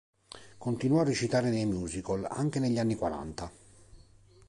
Continuò a recitare nei musical anche negli anni quaranta.